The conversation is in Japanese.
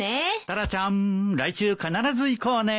タラちゃん来週必ず行こうね。